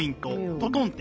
トトンて。